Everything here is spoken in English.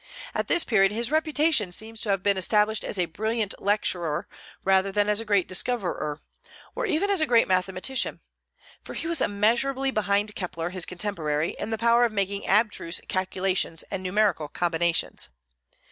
At this period his reputation seems to have been established as a brilliant lecturer rather than as a great discoverer, or even as a great mathematician; for he was immeasurably behind Kepler, his contemporary, in the power of making abstruse calculations and numerical combinations.